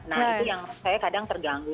nah itu yang saya kadang terganggu